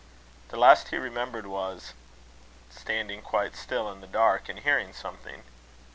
The last he remembered was standing quite still in the dark, and hearing something.